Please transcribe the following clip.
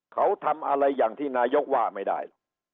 เขาทำอะไรอย่างที่นายกว่าไม่ได้หรอก